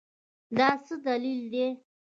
دا څه دلیل دی ؟